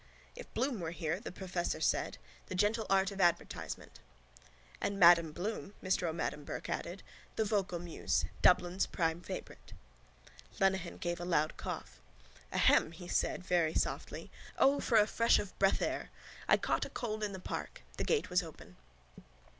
—If Bloom were here, the professor said. The gentle art of advertisement. —And Madam Bloom, Mr O'Madden Burke added. The vocal muse. Dublin's prime favourite. Lenehan gave a loud cough. —Ahem! he said very softly. O, for a fresh of breath air! I caught a cold in the park. The gate was open.